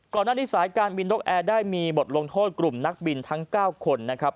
ก่อนหน้านี้สายการบินนกแอร์ได้มีบทลงโทษกลุ่มนักบินทั้ง๙คนนะครับ